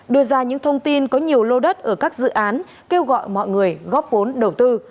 đưa ra những thông tin có nhiều lô đất ở các dự án kêu gọi mọi người góp vốn đầu tư